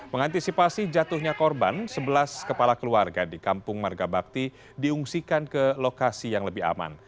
mengantisipasi jatuhnya korban sebelas kepala keluarga di kampung margabakti diungsikan ke lokasi yang lebih aman